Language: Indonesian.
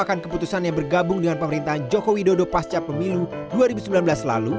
akan keputusan yang bergabung dengan pemerintahan joko widodo pasca pemilu dua ribu sembilan belas lalu